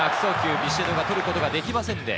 ビシエドが捕ることができませんで、